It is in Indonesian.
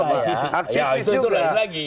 itu itu lagi lagi